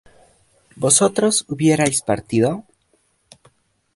¿vosotros hubierais partido?